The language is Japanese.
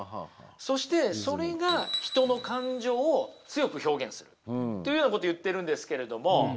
そしてそれが人の感情を強く表現するというようなことを言っているんですけれども。